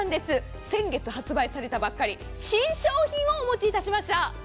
先月発売されたばかりの新商品をお持ちしました。